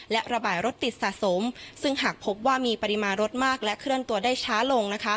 และระบายรถติดสะสมซึ่งหากพบว่ามีปริมาณรถมากและเคลื่อนตัวได้ช้าลงนะคะ